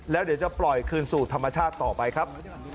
แล้วเดี๋ยวจะปล่อยคืนสู่ธรรมชาติต่อไปครับ